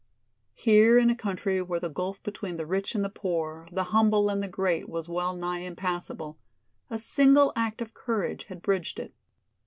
Here in a country where the gulf between the rich and the poor, the humble and the great was well nigh impassable, a single act of courage had bridged it.